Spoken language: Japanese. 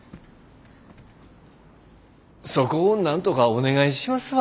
そこをなんとかお願いしますわ。